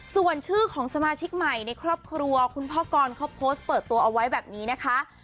ส่วนชื่อของสมาชิกใหม่ในครอบครัวคุณพ่อกรเขาโพสต์เปิดตัวเอาไว้แบบนี้นะคะ